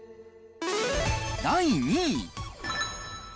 第２位。